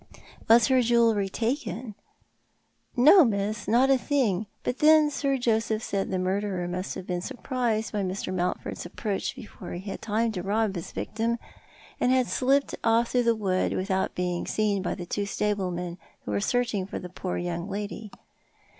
" Was her jewellery taken ?" "No, miss — not a thing— but then, Sir Joseph said the murderer must have been surprised by Mr. Mountford's approach before he had time to rob his victim, and had slipped off through the wood without being seen by the two stablemen who were searching for the poor young lady.